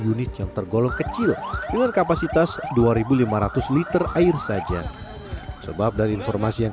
unit yang tergolong kecil dengan kapasitas dua ribu lima ratus liter air saja sebab dari informasi yang